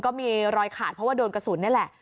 ก็มีรอยขาดเพราะว่าโดนกระสุนนี่แหละ